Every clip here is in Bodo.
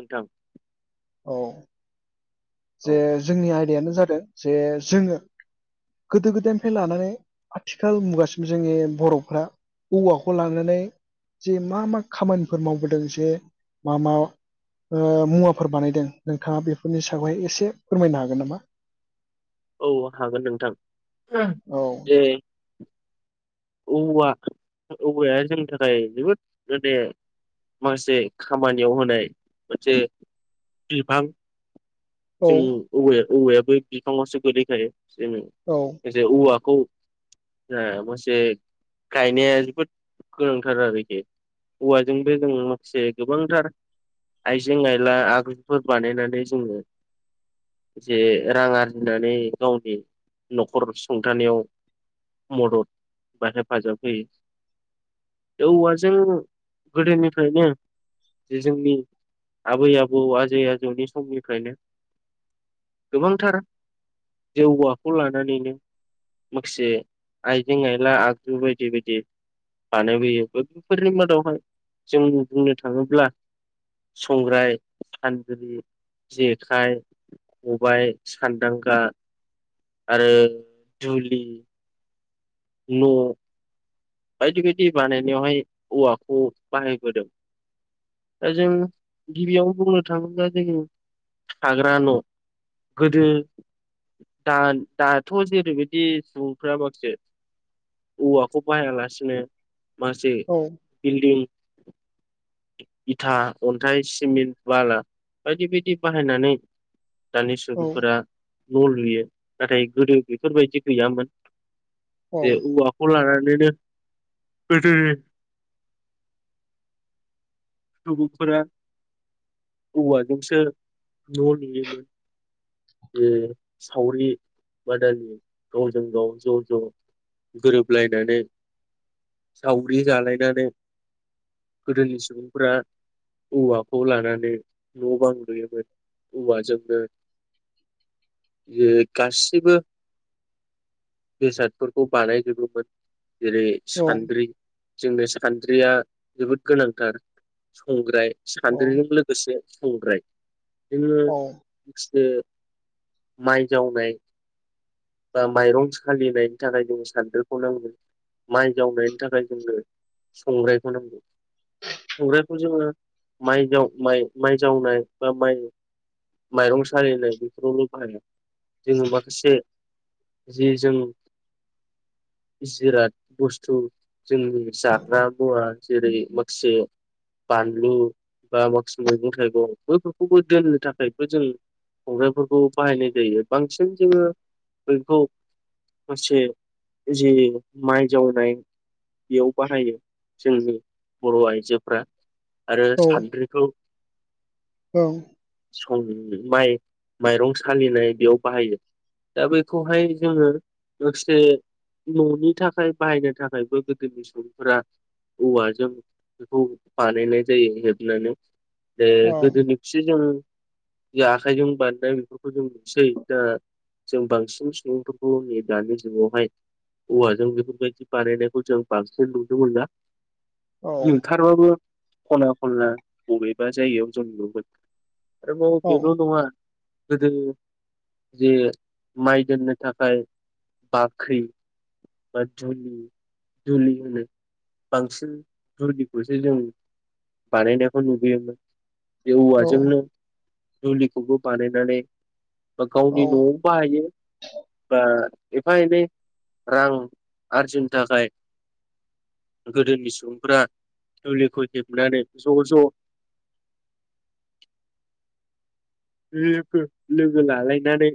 नोंथां औ औ जे जोंनि आयदायानो जादों जे जोङो गोदो गोदायनिफ्राय लानानै आथिखाल मुगासिम जोंनि बर'फ्रा औवाखौ लानानै जे मा मा खामानिफोर मावबोदों जे मा मा? मुवाफोर बानायदों नोंथाङा बेफोरनि सायावहाय एसे फोरमायनो हागोन नामा? औ हागोन नोंथां औ दे। औवा औवाया जोंनि थाखाय जोबोद माने माखासे खामानियाव होनाय मोनसे बिफां औ जों औवायाबो बिफाङावसो गोलैखायो जोङो औ जे औवाखौ ओ मोनसे गायनाया जोबोद गोनांथार आरोखि। औवाजोंबो जों माखासे गोबांथार आइजें आइला आगुफोर बानायनानै जोङो जे रां आरजिनानै गावनि न'खर सुंथानायाव मदद बा हेफाजाब फैयो औवाजों गोदोनिफ्रायनो जे जोंनि आबै आबौ आजै आजौनि समनिफ्रायनो गोबांथार जों औवाखौ लानानैनो माखासे आइजें आइला ला [unintelligible] आगजु बायदि बायदि बानायबोयो बेफोरनि मादावहाय जों बुंनो थाङोब्ला संग्राय सानद्रि जेखाइ खबाय सान्दांगा आरो दुलि न' बायदि बायदि बानायनायावहाय औवाखौ बाहायबोदों। दा जों गिबियावनो बुंनो थाङोब्ला जों थाग्रा न' गोदो दा दाथ' जेरैबायदि सुबुंफ्रा माखासे औवाखौ बाहायालासिनो माखासे औ बिल्डिं इथा अनथाइ सिमेन्ट बाला बायदि बायदि बाहायनानै दानि औ सुबुंफोरा न' लुयो। नाथाय गोदो बेफोरबायदि गैयामोन औ जे औवाखौ लानानै बिदिनो गोदोयो [unintelligible] सुबुंफोरा औवाजोंसो न' लुयोमोन ए सावरि बादालि गावजों गाव ज' ज' गोरोबलाय सावरि जालायनानै गोदोनि सुबुंफोरा औवाखौ लानानै न' बां लुयोमोन औवाजोंनो जे गासिबो बेसादफोरखौ बानायजोबोमोन जेरै औ सानद्रि जोंनि सानद्रिया जोबोद गोनांथार संग्राय सानद्रिजों लो गोसो संग्राय जोङो औ माखासे माइ जावनाय बा माइरं सालिनायनि थाखाय जों सानदो नांगौ माइ जावनायनि थाखाय जोंनो संग्रायखौ नांगौ संग्रायखौ जोङो माइ जाव माइ माइ जावनाय बा माइ माइरं साललिनाय बेफोरावल' बाहाया जोङो माखासे जि जों जिराद बुस्थु जोंनि जाग्रा मुवा जेरै माखासे बानलु बा माखासे मैगं थाइगं बैफोरखौबो दोननो थाखायबो जों संग्रायफोरखौ बाहायनाय जायो बांसिन जोङो बैखौ फसे जे माइ जावनाय बेयाव बाहायो जोंनि बर' आइजोफ्रा आरो औ ओं सानद्रिखौ ओं सं माइ माइरं सालिनाय बेयाव बाहायो दा बेखौहाय जोङो गांसे [unintelligible] न'नि थाखाय बाहायनो थाखायबो गोदोनि सुबुंफोरा औवाजों बेखौ बानायनाय जायो हेबनानै जे औ गोदोनिखो जों जे आखाइजों बानायनाय बेफोरखौ जों नुसै दा जों बांसिन सुबुंफोरखौ नै दानि जुगावहाय औवाजों बेफोरबायदि बानायनायखौ जों बांसिन नुनो मोना नोंथा ओंखारबाबो खना खनला बबेबा जायगायाव जों नुगोन बेफोराव औ दं आरो [unintelligible] गोदो जे माइ दोननो थाखाय बाख्रि बा दुलि दुलि होनो बांसिन दुलिखौसो जों बानायनायखौ नुबोयोमोन बे औ औवाजोंनो दुलिखौबो बानायनानै बा गावनि औ न'आव बाहायो बा एफा एनै रां आरजिनो थाखाय गोदोनि सुबुंफ्रा दुलिखौ हेबनानै ज' ज' लोगो लालायनानै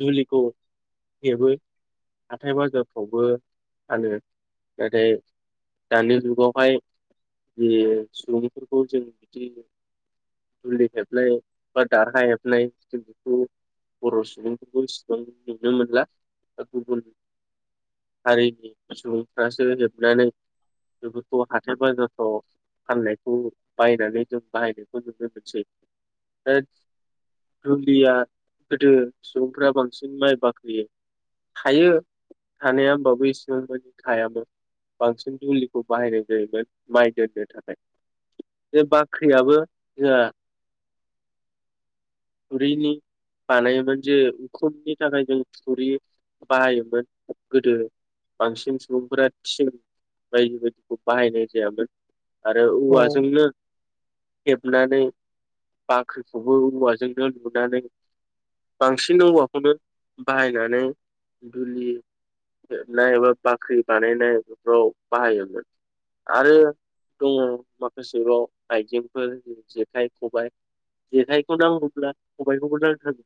दुलिखौ हेबो हाथाय बाजारफ्रावबो फानो नाथाय दानि जुगावहाय बे सुबुंफोरखौ जों बिदि दुलि हेबनाय बा दारहा हेबलाय बेखौ [unintelligible] बर' सुबुंफोरखौ एसेबां नुनो मोनला ओ गुबुन हारिनि सुबुंफ्रासो हेबनानै बेफोरखौ हाथाय बाजारफ्राव फाननायखौ बायनानै जों बाहायनायखौ जों नुनो मोनसै ओ दुलिया गोदो सुबुंफ्रा बांसिन माइ बाख्रियै हायो ओमबाबो इसेबां मानि हायाबो बांसिन दुलिखौ बाहायनाय जायोमोन माइ दोननो थाखाय बे बाख्रियाबो जोङा खुरैनि बानायोमोन जे उखुमनि थाखाय जों थुरि बाहायोमोन गोदो बांसिन सुबुंफोरा थिं बायदि बायदिखौ बाहायनाय जायामोन आरो औवाजोंनो हेबनानै बाख्रिखौबो औवाजोंनो लुनानै बांसिन औवाखौनो बाहायनानै दुलि ना एबा बाख्रि बानायफोराव बाहायो आरो दङ माखासेबाव आइजेंफोर जेखाइ खबाय जेखाइखौ नांगौब्ला खबायखौबो नांथारगौ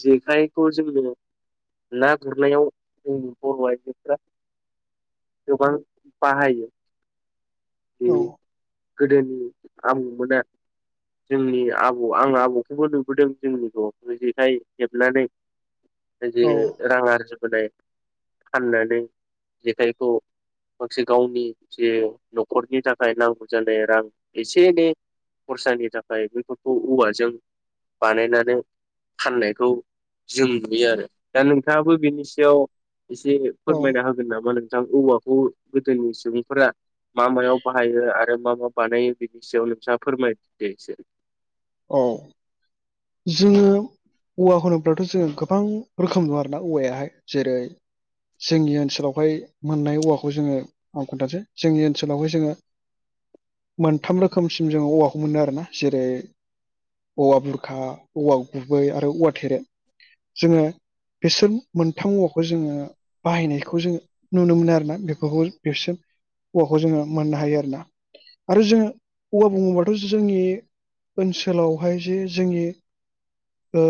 जेखाइखौ जोङो ना गुरनायाव जों बर' आइजोफ्रा गोबां बाहायो बे औ गोदोनि आबौमोना जोंनि आबौ आं आबौखौबो नुबोदों जोंनिखौ [unintelligible] बिदि जेखाय हेबनानै जे औ रां आरजिबोनाय फाननानै जेखायखौ माखासे गावनि जे नखरनि थाखाय नांगौ जानाय रां एसे एनै खरसानि थाखाय बेफोरखौ औवाजों बानायनानै फाननायखौ जों नुयो आरो दा नोंथाङाबो बेनि सायाव एसे औ फोरमायना होगोन नामा नोंथां औवाखौ गोदोनि सुबुंफोरा मा मायाव बाहायो आरो मा मा बानायो बेनि सायाव नोंथाङा फोरमायदो एसे औ जोङो औवा होनोब्लाथ' जोङो गोबां रोखोम दङ आरोना औवायाहाय जेरै जोंनि ओनसोलावहाय मोननाय औवाखौ जोङो आं खोनथानोसै जोंनि ओनसोलावहाय जोङो मोनथाम रोखोमसिम जोङो औवाखौ मोनो आरो ना जेरै औवा बुर खा औवा गुबै आरो औवा थेरे जोङो बिसोर मोनथाम औवाखौ जोङो बाहायनायखौ जोङो नुनो मोनो आरोना बेफोरखौ बेसोम औवाखौ जोङो मोननो हायो आरोना आरो जोङो औवा बुङोबाथ' जोंनि ओनसोलावहाय जे जोंनि ओ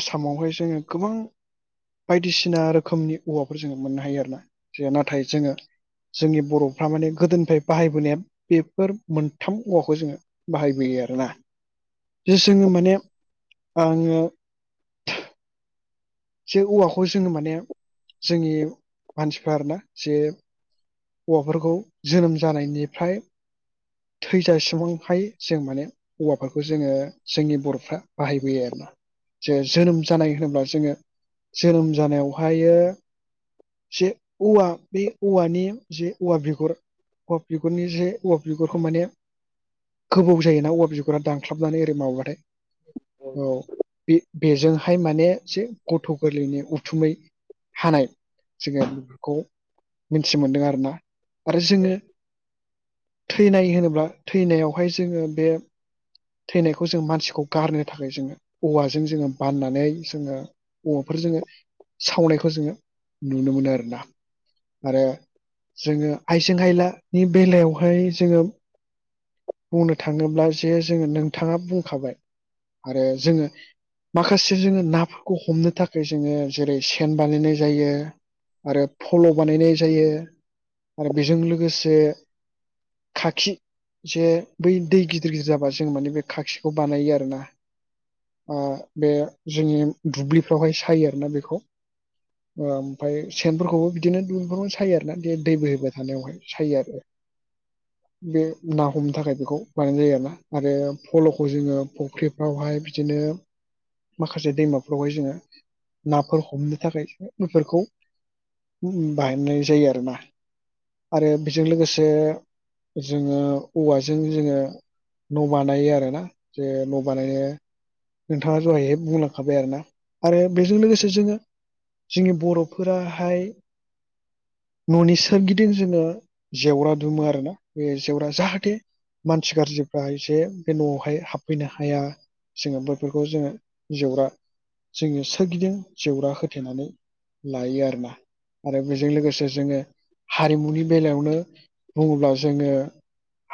आसामावहाय जोङो गोबां बायदिसिना रोखोमनि औवाफोर जोङो मोननो हायो आरोना जे नाथाय जोङो जोंनि बर'फ्रा माने गोदोनिफ्राय बाहायबोनाया बेफोर मोनथाम औवाखौ जोङो बाहायबोयो आरोना जोङो माने आङो जे औवाखौ जोङो माने जोंनि मानसिफ्रा आरोना जे औवाफोरखौ जोनोम जानायनिफ्राय थैजासिमहाय जों माने औवाफोरखौ जोङो जोंनि बर'फ्रा बाहायबोयो आरोना जे जोनोम जानाय होनोब्ला जोङो जोनोम जानायावहायो जे औवा बे औवानि जे औवा बिगुर औवा बिगुरनि जे औवा बिगुरखौ माने गोबौ जायोना औवा बिगुरा दानख्लाबनानै ओरै माबा बाथाय औ बे बेजोंहाय माने जे गथ' गोरलैनि उथुमाय हानाय जोङो बेफोरखौ मिथि मोनदों आरो ना आरो जोङो थैनाय होनोब्ला थैनायावहाय जोङो बे थैनायखौ जों मानसिखौ गारनो थाखाय जोङो औवाजों जोङो बाननानै जोङो औवाफोर जोङो सावनायखौ जोङो नुनो मोनो आरोना आरो जोङो आइजें आयलानि बेलायावहाय जोङो बुंनो थाङोब्ला जे जोङो नोंथाङा बुंखाबाय आरो जोङो माखासे जोङो नाफोरखौ हमनो थाखाय जोङो जेरै सेन बानायनाय जायो आरो फल' बानायनाय जायो आरो बेजों लोगोसे खाखि जे बै दै गिदिर गिदिर जाबा जों माने बे खाखिखौ बानायो आरोना आ बे जोंनि दुब्लिफ्रावहाय सायो आरोना बेखौ ओमफ्राय सेनफोरखौबो बिदिनो दंगआवनो सायो आरोना बे दै बोहैबाय थानायावहाय सायो आरो बे ना हमनो थाखाय बेखौ बानायनाय जायो आरोना आरो फल'खौ जोङो फख्रि बावहाय बिदिनो माखासे दैमाफ्रावहाय जोङो नाफोर हमनो थाखाय बेफोरखौ बाहायनाय जायो आरो ना आरो बेजों लोगोसे जोङो औवाजों जोङो न' बानायो आरोना जे न' बानायो नोंथाङा दहायो बुंलांखाबाय आरो ना आरो बेजों लोगोसे जोङो जोंनि बर'फोराहाय न'नि सोरगिदिं जोङो जेवरा दुमो आरो ना बे जेवरा जाहाथे मानसि गाज्रिफ्रा एसे बे न'आवहाय हाबफैनो हाया जोङो बैफोरखौ जोङो जेवरा जोङो सोरगिदिं जेवरा होथेनानै लायो आरो ना आरो बेजों लोगोसे जोङो हारिमुनि बेलायावनो बुङोब्ला जोङो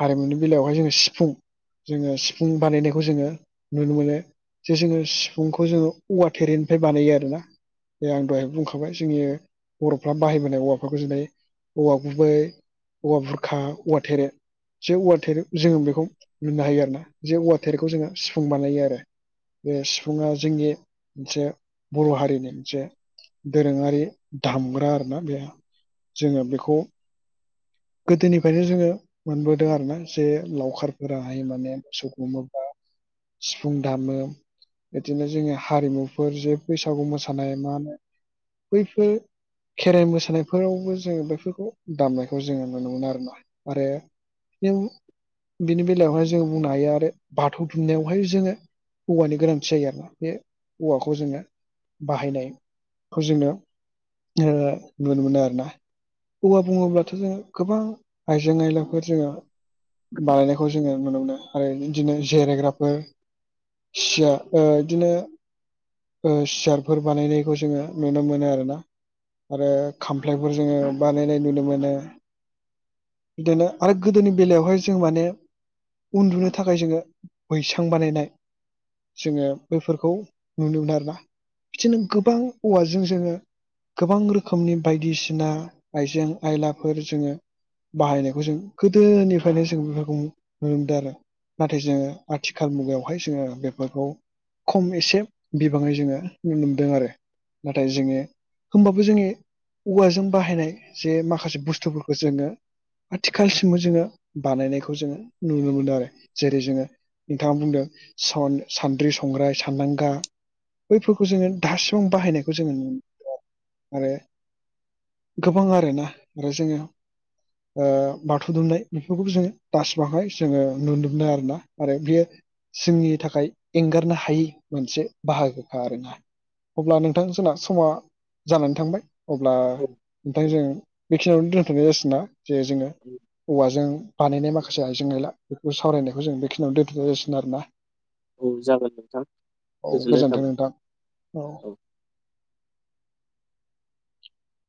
हारिमुनि बेलायावहाय जोङो सिफुं जोङो सिफुं बानायनायखौ जोङो नुनो मोनो जे जोङो सिफुंखौ जोङो औवा थेरेनिफ्राय बानायो आरो ना जे आं दहाय बुंखाबाय जोंनि बर'फ्रा बाहायबोनाय औवाफोरखौ जेरै औवा गुबै औवा बुरखा औवा थेरे जे औवा थेरे जोङो बेखौ मोननो हायो आरो ना जे औवा थेरखौ जोङो सिफुं बानायो आरो बे सिफुङा जोंनि मोनसे बर' हारिनि मोनसे दोरोङारि दामग्रा आरो ना बे जोङो बेखौ गोदोनिफ्रायनो जोङो मोनबोदों आरो ना जे लावखारफोराहाय माने मोसौ गुमोब्ला सिफुं दामो बिदिनो जोङो हारिमुफोर जे बैसागु मोसानाय मा होनो बैफोर खेराइ मोसानायफोर फोरावबो जोङो बेफोरखौ दामनायखौ जोङो नुनो मोनो आरो ना आरो जों बिनि बेलायावहाय जोङो बुंनो हायो आरो बाथौ दुमनायावहाय जोङो औवानि गोनांथि जायो आरोना बे औवाखौ जोङो बाहायनाय खौ जोङो ओ नुनो मोनो आरो आरोना औवा बुङोब्लाथ' जोङो गोबां आइजें आयलाफोर जोङो बानायनायखौ जोङो नुनो मोनो आरो बिदिनो जिरायग्राफोर सियार ओ बिदिनो सियारफोर बानायनायखौ जोङो नुनो मोनो आरो ना आरो खामफ्लायफोर जोङो बानायनाय नुनो मोनो बिदिनो आरो गोदोनि बेलायावहाय जों माने उन्दुनो थाखाय जोङो बैसां बानायनाय जोङो बैफोरखौ नुनो मोनो आरोना बिदिनो गोबां औवाजों जोङो गोबां रोखोमनि बायदिसिना आइजें आयलाफोर जोङो बाहायनायखौ जों गोदोनिफ्रायनो जों बेफोरखौ नुनो मोनदों आरो नाथाय जोङो आथिखाल मुगायावहाय जोङो बेफोरखौ खम एसे बिबाङै जोङो नुनो मोनदों आरो नाथाय जोङो होमबाबो जोंनि औवाजों बाहायनाय जे माखासे बुस्थुफोरखौ जोङो आथिखालसिमबो जोङो बानायनायखौ जोङो नुनो मोनो आरो जेरै जोङो नोंथाङा बुंदों सान्द्रि संग्राय सानदांगा बैफोरखौ जोङो दासिबो बाहायनायखौ जोङो नुनो मोनदों आरो गोबां आरोना आरो जोङो ओ बाथौ दुमनाय बेफोरखौबो जोङो दासबाहाय जोङो नुनो मोननाय आरोना आरो बेयो जोंनि थाखाय एंगारनो हायि मोनसे बाहागोखा आरो नङा अब्ला नोंथां जोंना समा जानानै थांबाय अब्ला औ नोंथां जों बेखिनियावनो दोनथ'नाय जासिगोना जे जोङो औ औवाजों बानायनाय माखासे आयजें आइला बेफोरखौ सावरायनायखौ जों बेखिनियावनो दोनथ'नाय जासिगोन आरो ना औ जागोन नोंथां औ गोजोननाय गोजोनथों थाबाय नोंथां औ